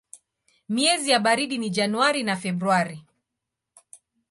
Miezi ya baridi ni Januari na Februari.